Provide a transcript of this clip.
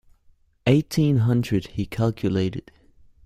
Eighteen hundred, he calculated.